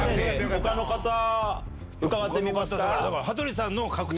他の方伺ってみますか。